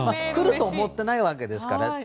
来ると思ってないわけですから。